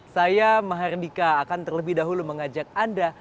saya maha rendika akan terlebih dahulu mengajak anda